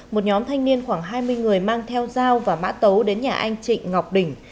một nhóm thanh niên khoảng hai mươi người mang theo dao và mã tấu đến nhà anh trịnh ngọc đỉnh